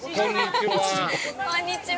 ◆こんにちは。